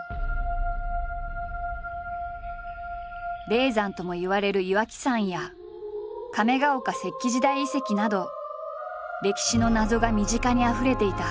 霊山ともいわれる岩木山や亀ヶ岡石器時代遺跡など歴史の謎が身近にあふれていた。